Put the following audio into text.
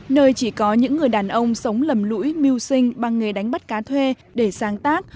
nơi chỉ có những người đàn ông sống lầm lỗi mưu sinh bằng nghề đánh bắt cá thuê để sáng tác